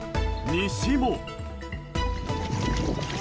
西も。